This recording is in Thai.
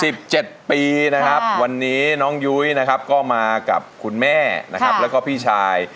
สิบเจ็ดปีนะครับวันนี้น้องยุ้ยนะครับก็มากับคุณแม่นะครับแล้วก็พี่ชาย